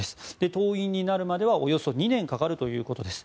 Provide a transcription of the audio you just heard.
党員になるまでは、およそ２年かかるということです。